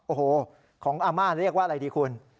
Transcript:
โอ้โหของอาม่าเรียกว่าอะไรดีคุณ